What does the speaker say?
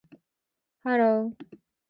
hello